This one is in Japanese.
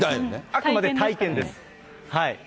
あくまで体験です。